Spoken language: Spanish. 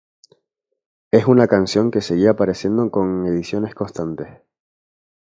Es una canción que seguía apareciendo con ediciones constantes.